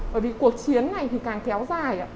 bởi vì cuộc chiến này thì càng kéo dài